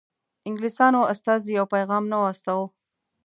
انګلیسیانو استازی او پیغام نه و استاوه.